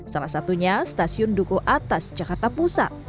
salah satunya stasiun duku atas jakarta pusat